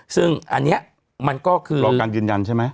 ซึ่งอันนี้มันก็คือรอการยืนยันใช่ไหม